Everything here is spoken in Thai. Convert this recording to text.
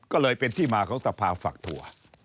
ก็เลยเป็นที่มาของสภาฝักถั่ว